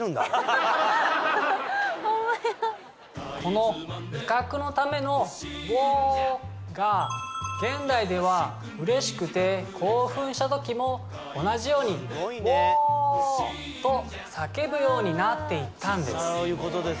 ホンマやこの威嚇のための「オォー」が現代では嬉しくて興奮した時も同じように「オォー」と叫ぶようになっていったんです